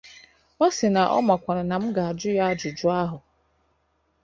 Ọ sị na ọ makwanụ na m ga-ajụ ya ajụjụ ahụ